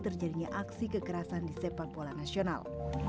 terjadinya aksi kekerasan di sepak bola nasional